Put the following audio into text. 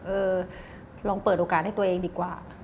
เออลองเปิดโอกาสให้ตัวเองดีกว่า